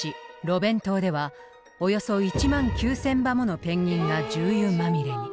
ロベン島ではおよそ１万９千羽ものペンギンが重油まみれに。